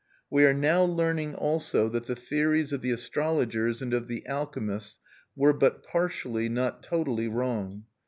We are now learning, also, that the theories of the astrologers and of the alchemists were but partially, not totally, wrong.